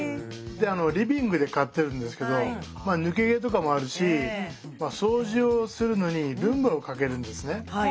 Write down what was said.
リビングで飼ってるんですけど抜け毛とかもあるし掃除をするのにルンバをかけるんですね。